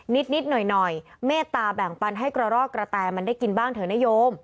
นิดหน่อยเมตตาแบ่งปันให้กระรอกกระแตมันได้กินบ้างเถอะนโยม